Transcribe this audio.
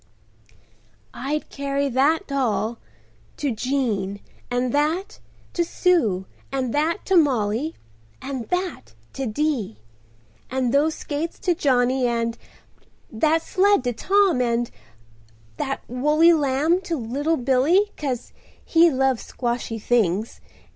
"I'd carry that doll—to Jean, and that—to Sue, and that—to Mollie, and that—to Dee, and those skates to Johnny, and—that sled to Tom, and—that woolly lamb to little Billy, 'cause he loves squshy things.